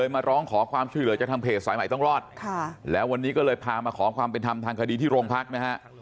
มาร้องขอความช่วยเหลือจากทางเพจสายใหม่ต้องรอดค่ะแล้ววันนี้ก็เลยพามาขอความเป็นธรรมทางคดีที่โรงพักนะฮะ